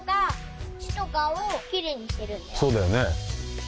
そうだよね。